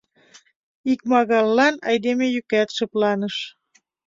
Икмагаллан айдеме йӱкат шыпланыш.